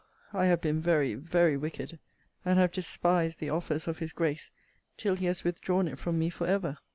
I have been very, very wicked; and have despised the offers of his grace, till he has withdrawn it from me for ever.